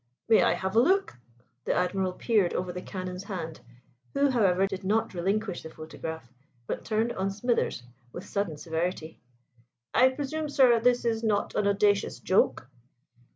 "May I have a look?" The Admiral peered over the Canon's hand, who, however, did not relinquish the photograph but turned on Smithers with sudden severity. "I presume, sir, this is not an audacious joke?"